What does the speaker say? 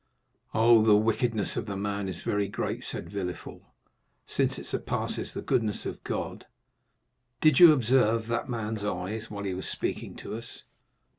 "Oh, the wickedness of man is very great," said Villefort, "since it surpasses the goodness of God. Did you observe that man's eyes while he was speaking to us?"